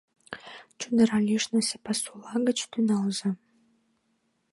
Чодыра лишнысе пасула гыч тӱҥалза.